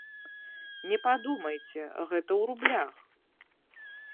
Не падумайце, гэта ў рублях.